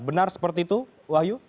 benar seperti itu wahyu